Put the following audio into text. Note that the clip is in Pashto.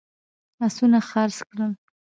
آسونه خرڅ کړل.